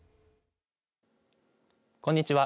こんにちは。